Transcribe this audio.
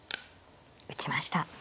打ちました。